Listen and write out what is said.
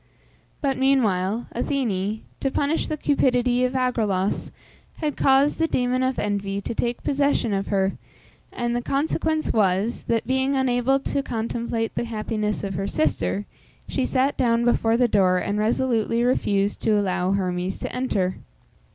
But meanwhile Athene, to punish the cupidity of Agraulos, had caused the demon of envy to take possession of her, and the consequence was, that, being unable to contemplate the happiness of her sister, she sat down before the door, and resolutely refused to allow Hermes to enter.